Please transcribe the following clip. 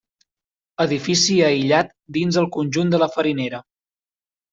Edifici aïllat dins el conjunt de la farinera.